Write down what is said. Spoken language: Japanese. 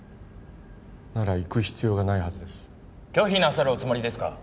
なら行く必要がないはずです・拒否なさるおつもりですか？